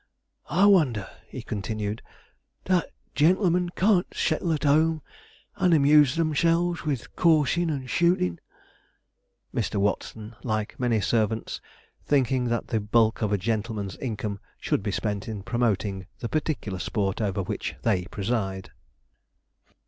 I wonder,' he continued, 'that gentlemen can't settle at home, and amuse themselves with coursin' and shootin'.' Mr. Watson, like many servants, thinking that the bulk of a gentleman's income should be spent in promoting the particular sport over which they preside.